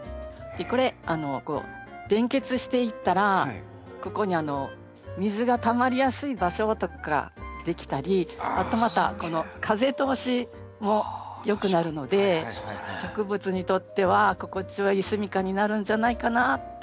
これ連結していったらここに水がたまりやすい場所とか出来たりあとまた風通しも良くなるので植物にとっては心地のいい住みかになるんじゃないかなとか思ったんですね。